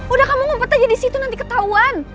udah kamu ngumpet aja disitu nanti ketauan